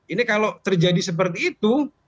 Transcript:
ini kalau terjadi seperti itu